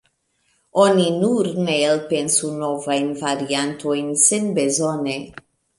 Oni nur ne elpensu novajn variantojn senbezone.